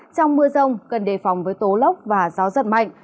trong mưa rông cần đề phòng với tố lốc và gió giật mạnh